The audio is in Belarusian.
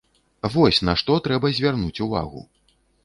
Вось, на што трэба звярнуць увагу.